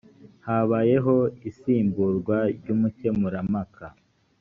habayeho isimburwa ry umukemurampaka